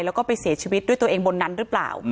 แล้วก็ไปเสียชีวิตด้วยตัวเองบนนั้นหรือเปล่า